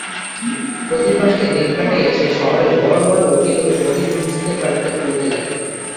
অতিকষ্টে দিন কটাইয়া সে শহরের বড় বড় উকিল ও ধনী গৃহস্থের বাড়িতে ঘুরিতে লাগিল।